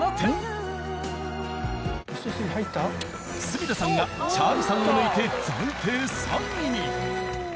住田さんが茶愛美さんを抜いて暫定３位に。